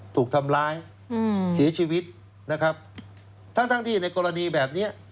ถูกทำร้ายเสียชีวิตนะครับทั้งที่ในกรณีแบบนี้